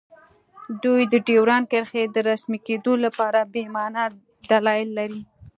دوی د ډیورنډ کرښې د رسمي کیدو لپاره بې مانا دلایل لري